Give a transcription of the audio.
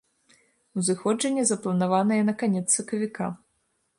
Узыходжанне запланаванае на канец сакавіка.